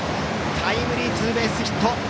タイムリーツーベースヒット。